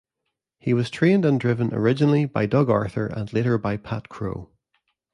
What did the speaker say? He was trained and driven originally by Doug Arthur and later by Pat Crowe.